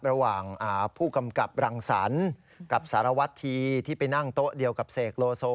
ระหว่างผู้กำกับรังสรรค์กับสารวัตธีที่ไปนั่งโต๊ะเดียวกับเสกโลโซ